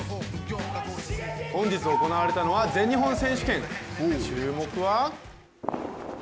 本日行われたのは全日本選手権、注目は？